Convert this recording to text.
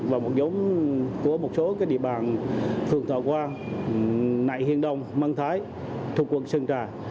và một giống của một số địa bàn phường thọ quang nại hiên đông mân thái thuộc quận sơn trà